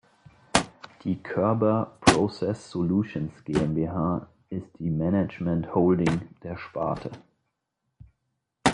Die Körber Process Solutions GmbH ist die Management-Holding der Sparte.